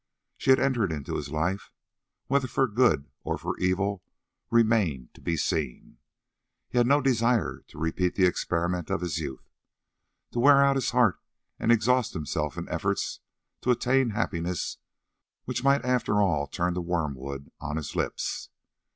She had entered into his life, whether for good or for evil remained to be seen. He had no desire to repeat the experiment of his youth—to wear out his heart and exhaust himself in efforts to attain happiness, which might after all turn to wormwood on his lips.